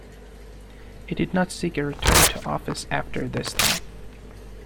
He did not seek a return to office after this time.